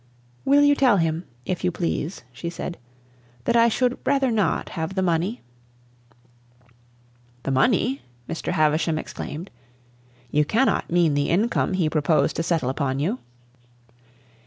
"Will you tell him, if you please," she said, "that I should rather not have the money?" "The money!" Mr. Havisham exclaimed. "You can not mean the income he proposed to settle upon you!"